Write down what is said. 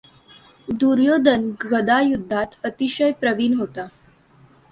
दुर्योधन गदायुद्धात अतिशय प्रवीण होता.